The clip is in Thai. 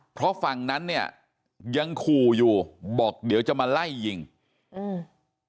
เพราะฝั่งนั้นเนี่ยยังขู่อยู่บอกเดี๋ยวจะมาไล่ยิงอืม